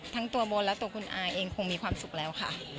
ทั้งตัวมดและตัวคุณอาเองคงมีความสุขแล้วค่ะ